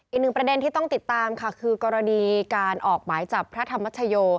อีกหนึ่งประเด็นที่ต้องติดตามค่ะคือกรณีการออกหมายจับพระธรรมชโย